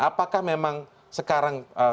apakah memang sekarang